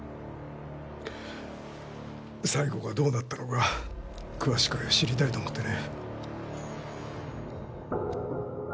最期がどうだったのか詳しく知りたいと思ってね。